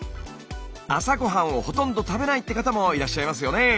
朝ごはんをほとんど食べないって方もいらっしゃいますよね。